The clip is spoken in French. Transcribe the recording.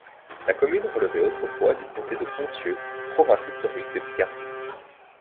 La commune relevait autrefois du comté de Ponthieu, province historique de Picardie.